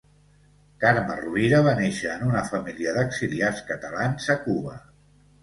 Carme Rovira va néixer en una família d'exiliats catalans a Cuba.